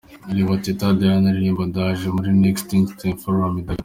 Reba Teta Diana aririmba ’Ndaje’ muri Next Einstein Forum i Dakar.